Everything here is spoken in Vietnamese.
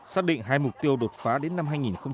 xác định hai mục tiêu đột phá đến năm hai nghìn ba mươi